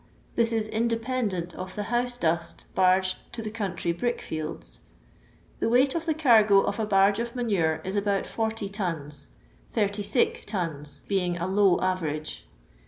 This is independent of the house dust barged to the country brick fields. The weight of the eargo of a barge of manure is about 40 tons; 36 tons being a low average.